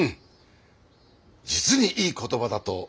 実にいい言葉だと思いますよ。